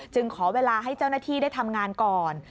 ขอเวลาให้เจ้าหน้าที่ได้ทำงานก่อน